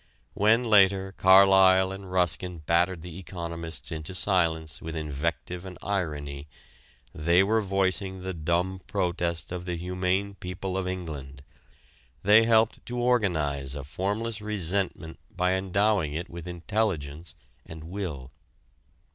When later, Carlyle and Ruskin battered the economists into silence with invective and irony they were voicing the dumb protest of the humane people of England. They helped to organize a formless resentment by endowing it with intelligence and will.